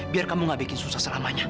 biar kamu gak bikin susah selamanya